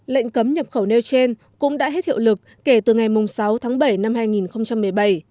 lệnh cấm nhập khẩu nêu trên cũng đã hết hiệu lực kể từ ngày sáu tháng bảy năm hai nghìn một mươi bảy